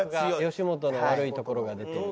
「吉本の悪いところが出てる」？